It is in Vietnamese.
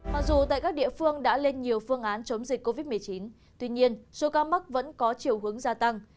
mặc dù tại các địa phương đã lên nhiều phương án chống dịch covid một mươi chín tuy nhiên số ca mắc vẫn có chiều hướng gia tăng